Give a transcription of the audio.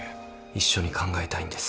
一緒に考えたいんです。